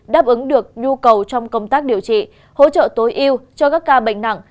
đáp ứng được nhu cầu trong công tác điều trị hỗ trợ tối ưu cho các ca bệnh nặng